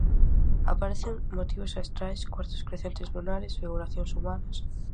Aparecen motivos astrais, cuartos crecentes lunares, figuracións humanas.